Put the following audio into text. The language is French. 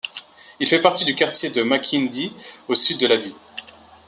Il fait partie du quartier de Makindye au sud de la ville.